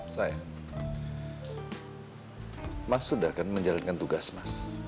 saya mas sudah kan menjalankan tugas mas